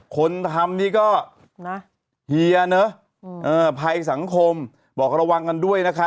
คนทำนี่ก็เฮียเนอะภัยสังคมบอกระวังกันด้วยนะคะ